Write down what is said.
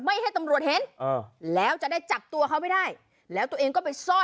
ให้ตำรวจเห็นแล้วจะได้จับตัวเขาไม่ได้แล้วตัวเองก็ไปซ่อน